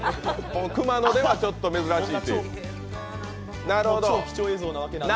熊野ではちょっと珍しいという。